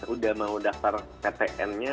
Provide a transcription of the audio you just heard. udah mau daftar ptn nya